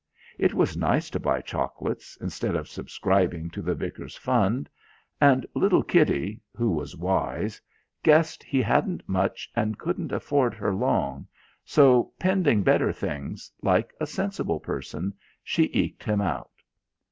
It was nice to buy chocolates instead of subscribing to the Vicar's Fund. And little Kitty, who was wise, guessed he hadn't much and couldn't afford her long, so pending better things, like a sensible person, she eked him out.